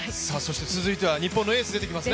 続いては日本のエース、出てきますね。